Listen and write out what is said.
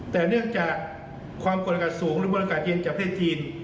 แต่เนื่องจากความกดอากาศสูงหรือมวลอากาศเย็นจากประเทศจีน